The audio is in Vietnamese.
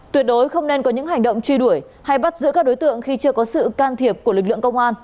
tuyệt đối không nên có những hành động truy đuổi hay bắt giữ các đối tượng khi chưa có sự can thiệp của lực lượng công an